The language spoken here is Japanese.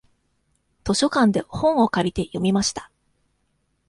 図書館で本を借りて、読みました。